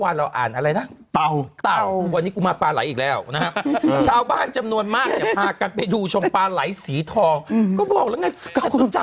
วันที่เราอ่านวันนี้กูมาปลาไหล่อีกแล้วนะครับชาวบ้านจำนวนมากมาพาที่เดี๋ยวชมปลาไหล่ใช้ทอง